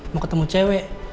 mau ketemu cewek